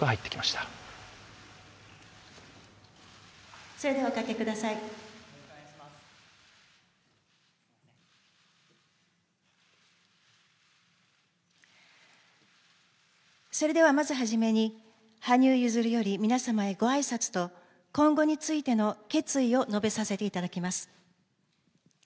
まず初めに、羽生結弦より皆様へごあいさつと今後についての決意を述べさせていただきます。